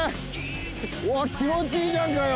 うわ気持ちいいじゃんかよ